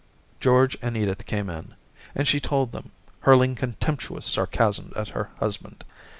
George and Edith came in, and she told them, hurling contemptuous sarcasms at her husband.